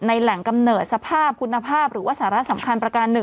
แหล่งกำเนิดสภาพคุณภาพหรือว่าสาระสำคัญประการ๑